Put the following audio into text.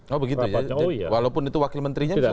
oh begitu ya walaupun itu wakil menterinya bisa